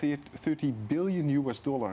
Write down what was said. peraturan sekitar tiga puluh juta dolar